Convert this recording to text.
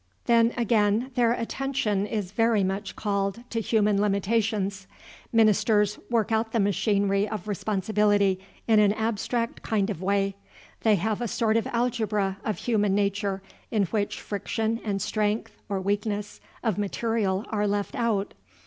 "Then, again, their attention is very much called to human limitations. Ministers work out the machinery of responsibility in an abstract kind of way; they have a sort of algebra of human nature, in which friction and strength (or weakness) of material are left out.